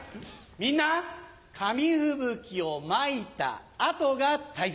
みんな紙吹雪をまいた後が大切。